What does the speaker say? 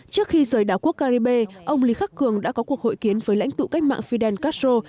trước khi rời đảo quốc caribe ông lý khắc cường đã có cuộc hội kiến với lãnh tụ cách mạng fidel castro